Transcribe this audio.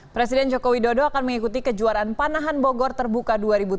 presiden joko widodo akan mengikuti kejuaraan panahan bogor terbuka dua ribu tujuh belas